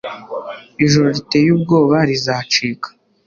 ijoro riteye ubwoba rizacika